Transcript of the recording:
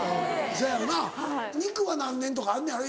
そやよな肉は何年とかあんのやろ？